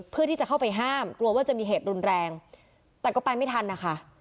เพื่อที่จะเข้าไปห้ามกลัวว่าจะมีเหตุรุนแรงแต่ก็ไปไม่ทันนะคะ